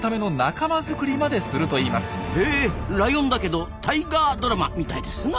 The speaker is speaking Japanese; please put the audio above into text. へえライオンだけどタイガードラマみたいですな！